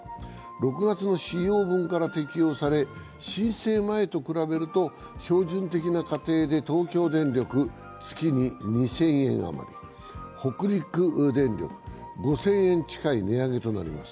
６月の使用分から適用され、申請前と比べると標準的な家庭で東京電力は月に２０００円余り、北陸電力、５０００円近い値上げとなります。